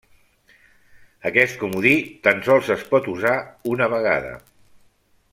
Aquest comodí tan sols es pot usar una vegada.